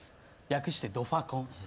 略してドファコン。